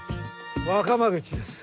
若真口です。